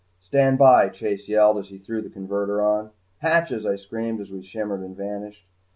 "Stand by!" Chase yelled as he threw the converter on. "Hatches!" I screamed as we shimmered and vanished.